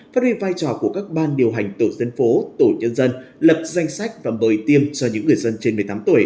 phát huy vai trò của các ban điều hành tổ dân phố tổ nhân dân lập danh sách và mời tiêm cho những người dân trên một mươi tám tuổi